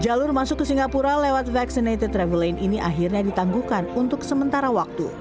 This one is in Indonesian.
jalur masuk ke singapura lewat vaccinated travellane ini akhirnya ditangguhkan untuk sementara waktu